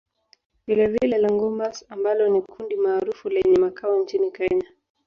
Vilevile Longombas ambalo ni kundi maarufu lenye makao nchini Kenya